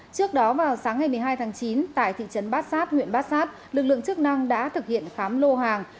trước đó vào sáng ngày một mươi hai tháng chín tại thị trấn bát sát huyện bát sát lực lượng chức năng đã thực hiện khám lô hàng